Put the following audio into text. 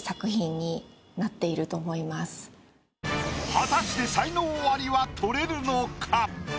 果たして才能アリは取れるのか？